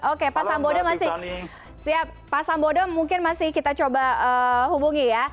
oke pak sambodo masih siap pak sambodo mungkin masih kita coba hubungi ya